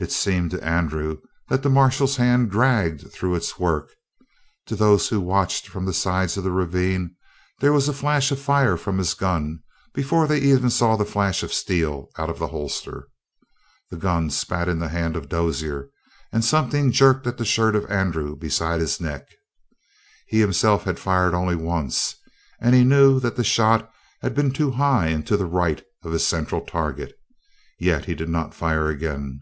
It seemed to Andrew that the marshal's hand dragged through its work; to those who watched from the sides of the ravine, there was a flash of fire from his gun before they saw even the flash of the steel out of the holster. The gun spat in the hand of Dozier, and something jerked at the shirt of Andrew beside his neck. He himself had fired only once, and he knew that the shot had been too high and to the right of his central target; yet he did not fire again.